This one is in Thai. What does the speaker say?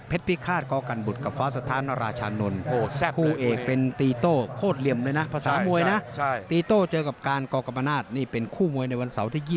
เพชรพิฆาตกอล์กันบุตรกับฟ้าสถานราชานนท์